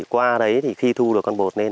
qua đấy thì khi thu được con bột lên